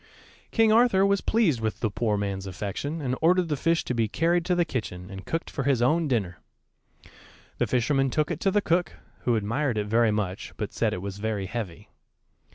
King Arthur was pleased with the poor man's affection, and ordered the fish to be carried to the kitchen and cooked for his own dinner. The fisherman took it to the cook, who admired it very much, but said it was very heavy.